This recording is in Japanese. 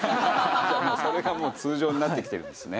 じゃあそれがもう通常になってきてるんですね。